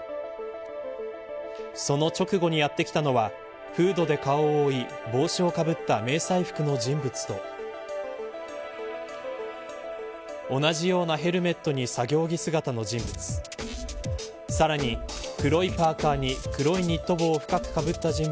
その直後に、やって来たのはフードで顔を覆い帽子をかぶった迷彩服の人物と同じようなヘルメットに作業着姿の人物。